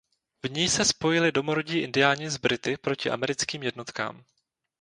V ní se spojili domorodí indiáni s Brity proti americkým jednotkám.